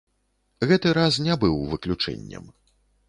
Гэты раз не быў выключэннем.